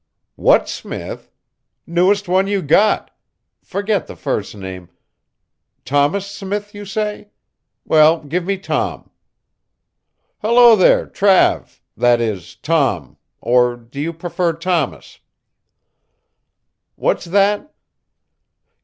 What Smith? Newest one you got. Forget the first name. Thomas Smith, you say. Well, give me Tom. Hello, there, Trav that is, Tom, or do you prefer Thomas? What's that?